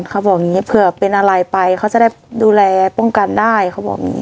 เขาบอกอย่างนี้เผื่อเป็นอะไรไปเขาจะได้ดูแลป้องกันได้เขาบอกอย่างนี้